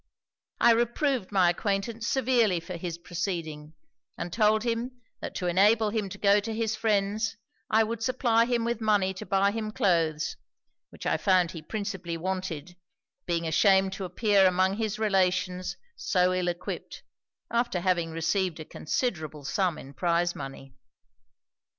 'I reproved my acquaintance severely for his proceeding, and told him, that to enable him to go to his friends, I would supply him with money to buy him cloaths, which I found he principally wanted; being ashamed to appear among his relations so ill equipped, after having received a considerable sum in prize money.